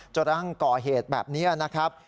กระทั่งก่อเหตุแบบนี้นะครับ